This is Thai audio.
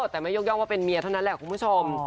แต่ไม่ยกย่องว่าเป็นเมียเท่านั้นแหละคุณผู้ชม